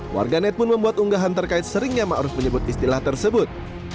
warganet pun membuat unggahan terkait seringnya ma'ruf menyebut istilah tersebut